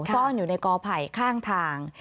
ซ่อนอยู่ในกอไผ่ข้างทาง